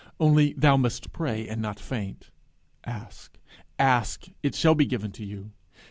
Only thou must pray, and not faint. Ask, ask; it shall be given you.